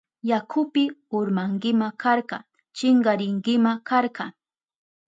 Yakupi urmankima karka, chinkarinkima karka.